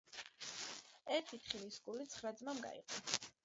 ერთი თხილის გული ცხრა ძმამ გაიყოო.